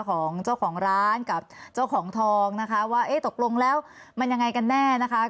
ของเจ้าของร้านกับเจ้าของทองนะคะว่าเอ๊ะตกลงแล้วมันยังไงกันแน่นะคะ